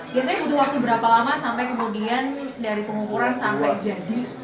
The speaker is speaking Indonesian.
biasanya butuh waktu berapa lama sampai kemudian dari pengukuran sampai jadi